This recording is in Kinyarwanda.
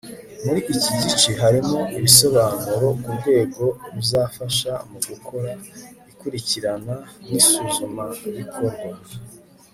muri iki gice harimo ibisobanuro ku rwego ruzafasha mu gukora ikurikirana n'isuzumabikorwa